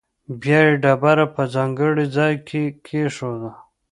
بیا یې ډبره په ځانګړي ځاې کې کېښوده.